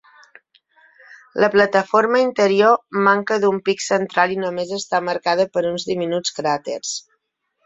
La plataforma interior manca d'un pic central i només està marcada per uns diminuts cràters.